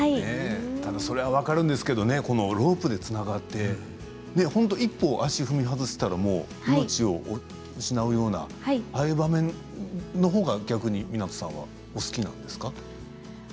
それは分かるんですがロープでつながって本当に一歩足を踏み外したら命を失うようなああいう場面のほうが、湊さんはお好きなんですか？